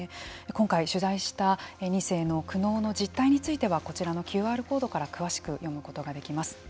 今回取材した２世の苦悩の実態についてはこちらのＱＲコードから詳しく読むことができます。